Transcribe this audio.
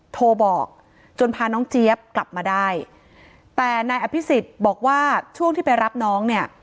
โทรบอกจนพาน้องเจี๊ยบกลับมาได้แต่นายอภิษฎบอกว่าช่วงที่ไปรับน้องเนี่ย